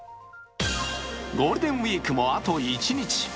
ゴールデンウイークもあと一日。